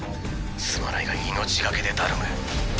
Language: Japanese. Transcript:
すまないが命懸けで頼む。